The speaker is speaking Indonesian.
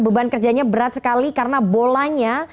beban kerjanya berat sekali karena bolanya